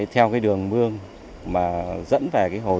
theo đường mương dẫn về hồ